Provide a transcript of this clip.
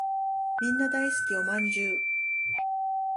みんな大好きお饅頭